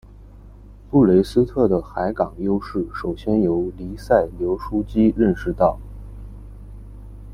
布雷斯特的海港优势首先由黎塞留枢机认识到。